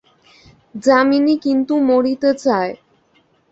যামিনী কিন্তু মরিতে চায়।